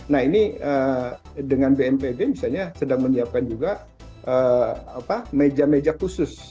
nah ini dengan bnpb misalnya sedang menyiapkan juga meja meja khusus